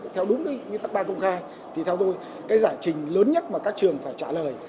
theo đúng như các ba công khe thì theo tôi cái giải trình lớn nhất mà các trường phải trả lời